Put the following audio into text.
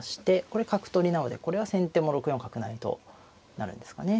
これ角取りなのでこれは先手も６四角成と成るんですかね。